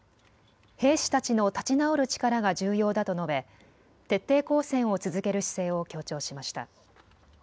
兵士たちの立ち直る力が重要だと述べ、徹底抗戦を続ける姿勢を強調しました。